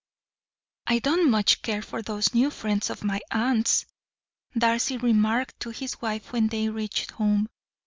"I do not much care for those new friends of my aunt's," Darcy remarked to his wife when they reached home.